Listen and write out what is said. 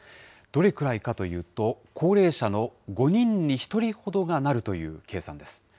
どれくらいかというと、高齢者の５人に１人ほどがなるという計算です。